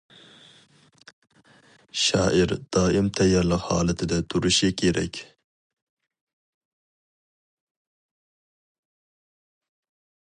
شائىر دائىم تەييارلىق ھالىتىدە تۇرۇشى كېرەك.